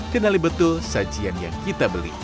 kenali betul sajian yang kita beli